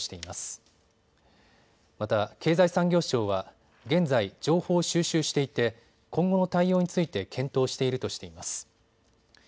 また経済産業省は現在、情報を収集していて今後の対応について検討しているとしています。